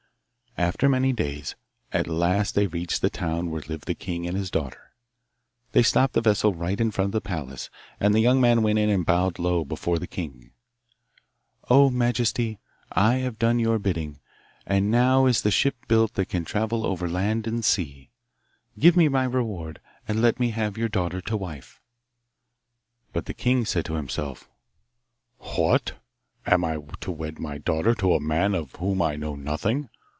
After many days, at last they reached the town where lived the king and his daughter. They stopped the vessel right in front of the palace, and the young man went in and bowed low before the king. 'O Majesty, I have done your bidding, and now is the ship built that can travel over land and sea. Give me my reward, and let me have your daughter to wife.' But the king said to himself, 'What! am I to wed my daughter to a man of whom I know nothing.